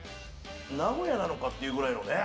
名古屋なのかっていうくらいのね。